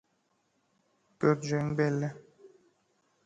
Görjegiň belli.